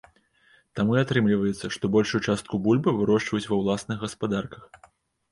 Таму і атрымліваецца, што большую частку бульбы вырошчваюць ва ўласных гаспадарках.